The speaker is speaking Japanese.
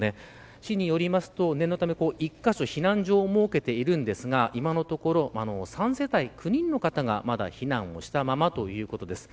市によりますと念のため一カ所避難所を設けているんですが今のところ３世帯、９人の方がまだ避難をしたままということです。